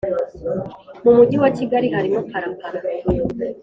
Mu mujyi wa Kigali harimo parapara